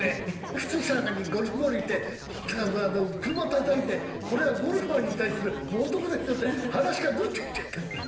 靴下の中にゴルフボール入れて車たたいて「これはゴルファーに対する冒とくですよ」って話がどっかいっちゃった。